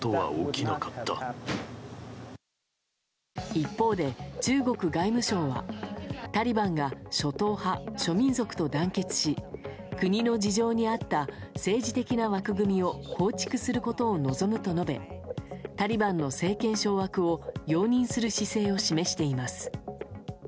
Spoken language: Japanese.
一方で、中国外務省はタリバンが諸党派、諸民族と団結し国の事情に合った政治的な枠組みを構築することを望むと述べタリバンの政権掌握を容認する姿勢を示しています。